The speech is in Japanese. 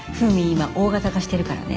今大型化してるからね